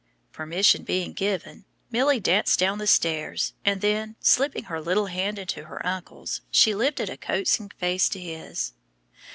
Permission being given, Milly danced down the stairs, and then, slipping her little hand into her uncle's, she lifted a coaxing face to his.